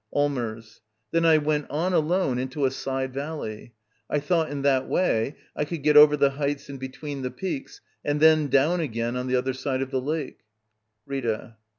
Allmers. Then I went on alone into a side valley. I thought in that way I could get over the heights and between the peaks, and then down again on the other side of the lake. Rtta.